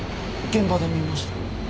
現場で見ました。